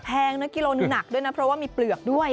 แพงนะกิโลหนึ่งหนักด้วยนะเพราะว่ามีเปลือกด้วย